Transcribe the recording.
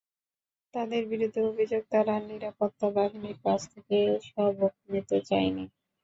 তাদের বিরুদ্ধে অভিযোগ, তারা নিরাপত্তা বাহিনীর কাছ থেকে সবক নিতে চায়নি।